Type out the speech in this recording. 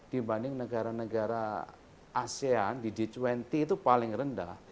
dibanding negara negara asean di g dua puluh itu paling rendah